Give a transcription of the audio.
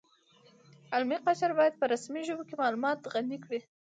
علمي قشر باید په رسمي ژبو کې معلومات غني کړي